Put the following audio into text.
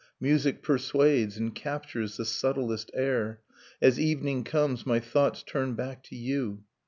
Music persuades and captures the subtlest air. .. As evening comes, my thoughts turn back to you.